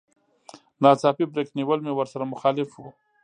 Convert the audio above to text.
ناڅاپي بريک نيول مې ورسره مخالف و.